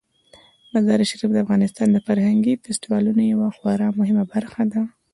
مزارشریف د افغانستان د فرهنګي فستیوالونو یوه خورا مهمه برخه ده.